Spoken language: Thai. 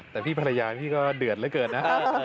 แต่พี่ภรรยาพี่ก็เดือดเหลือเกินนะ